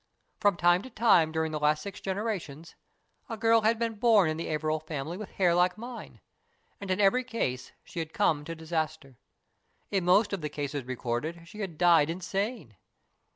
From time to time during the last six generations a girl had been born in the Averil family with hair like mine, and in every case she had come to disaster. In most of the cases recorded she had died insane.